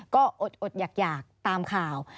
ก็อดอยากตามข่าว